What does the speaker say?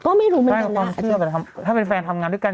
ก็ไม่รู้เหมือนกันถ้าเป็นแฟนทำงานด้วยกัน